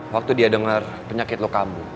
waktu dia dengar penyakit lo kamu